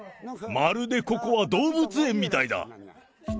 まるで、ここは動物園みたいだ。